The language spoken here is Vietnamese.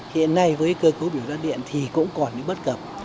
hiện nay với cơ cố biểu đoán điện thì cũng còn những bất cập